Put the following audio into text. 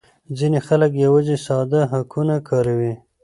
ځینې خلک یوازې ساده هکونه کاروي